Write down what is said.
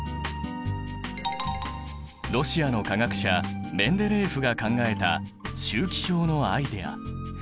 ロシアの化学者メンデレーエフが考えた周期表のアイデア。